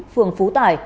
phường phú tài